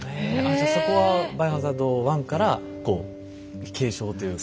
じゃそこは「バイオハザード１」からこう継承というか。